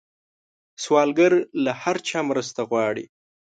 سوالګر له هر چا مرسته غواړي